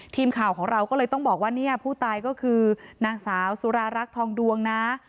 ทีมข่าวของเราก็เลยต้องบอกว่าเนี่ยผู้ตายก็คือนางสาวสุรารักษ์ทองดวงนะ